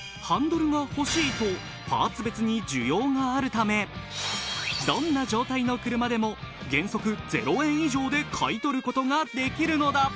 ハンドルが欲しい！とパーツ別に需要があるためどんな状態の車でも原則０円以上で買取ることができるのだ